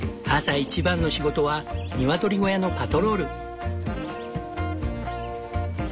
朝一番の仕事はニワトリ小屋のパトロール。